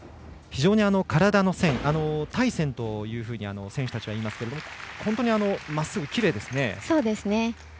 非常に体の線、体線というふうに選手たちは言いますけれども本当にまっすぐきれいですね。